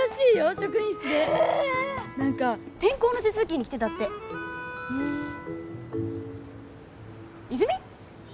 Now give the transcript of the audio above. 職員室で何か転校の手続きに来てたってふん泉？